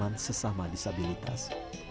dan sesama disabilitas